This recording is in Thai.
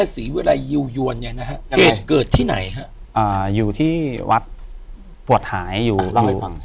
สีเวลายิวยวนเนี่ยนะฮะเกิดที่ไหนฮะอ่าอยู่ที่วัดปวดหายอยู่ลองไปฟัง